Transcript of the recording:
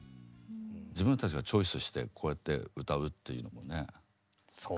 自分たちがチョイスしてこうやって歌うっていうのもね何か。